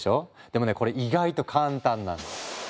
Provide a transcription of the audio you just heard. でもねこれ意外と簡単なの。